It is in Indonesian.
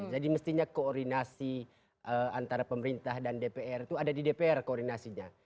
jadi mestinya koordinasi antara pemerintah dan dpr itu ada di dpr koordinasinya